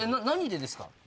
何でですか？